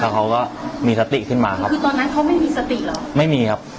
เขาก็มีสติขึ้นมาครับคือตอนนั้นเขาไม่มีสติเหรอไม่มีครับ